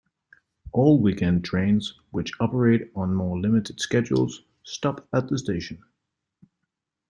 All weekend trains, which operate on more limited schedules, stop at the station.